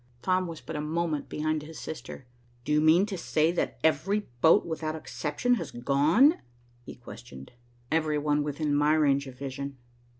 Tom was but a moment behind his sister. "Do you mean to say that every boat, without exception, has gone?" he questioned. "Every one within my range of vision.